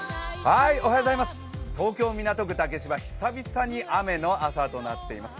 東京・港区竹芝、久々に雨の朝となっています。